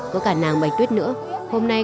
hôm nay con thấy rất vui